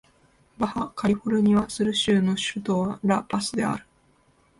バハ・カリフォルニア・スル州の州都はラ・パスである